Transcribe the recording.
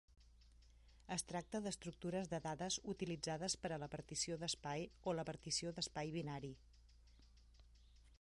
Es tracta d'estructures de dades utilitzades per a la partició d'espai o la partició d'espai binari.